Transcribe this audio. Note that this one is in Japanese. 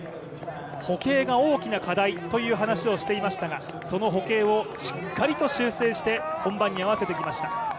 歩型が大きな課題と話していましたが、その歩型をしっかりと修正して本番に合わせてきました。